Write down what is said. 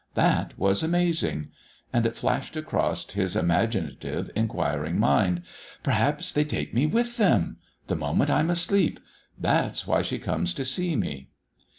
That was amazing. And it flashed across his imaginative, inquiring mind: "Perhaps they take me with them! The moment I'm asleep! That's why she comes to see me!"